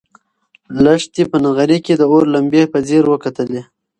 لښتې په نغري کې د اور لمبې په ځیر وکتلې.